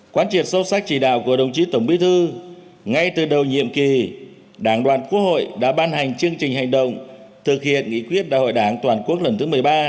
quán triệt sâu sắc chỉ đạo của đồng chí tổng bí thư ngay từ đầu nhiệm kỳ đảng đoàn quốc hội đã ban hành chương trình hành động thực hiện nghị quyết đại hội đảng toàn quốc lần thứ một mươi ba